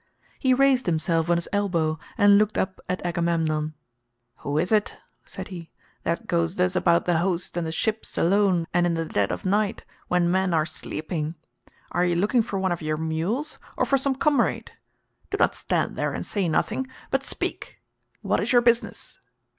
He raised himself on his elbow and looked up at Agamemnon. "Who is it," said he, "that goes thus about the host and the ships alone and in the dead of night, when men are sleeping? Are you looking for one of your mules or for some comrade? Do not stand there and say nothing, but speak. What is your business?"